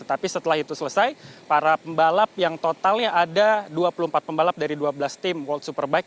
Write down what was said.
tapi setelah itu selesai para pembalap yang totalnya ada dua puluh empat pembalap dari dua belas tim world superbike